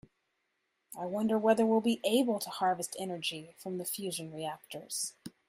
I wonder whether we will be able to harvest energy from fusion reactors.